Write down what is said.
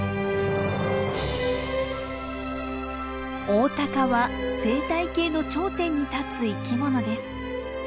オオタカは生態系の頂点に立つ生き物です。